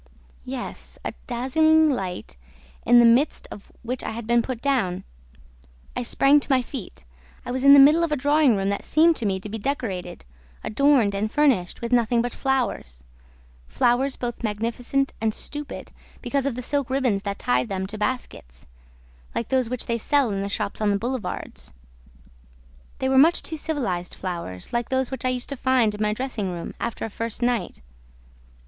Yes, a dazzling light in the midst of which I had been put down. I sprang to my feet. I was in the middle of a drawing room that seemed to me to be decorated, adorned and furnished with nothing but flowers, flowers both magnificent and stupid, because of the silk ribbons that tied them to baskets, like those which they sell in the shops on the boulevards. They were much too civilized flowers, like those which I used to find in my dressing room after a first night.